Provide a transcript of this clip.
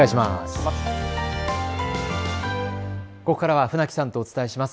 ここからは船木さんとお伝えします。